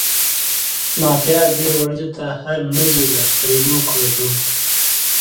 ما پيار دي وړیزو ته هرمزي له؛ ترينو ګړدود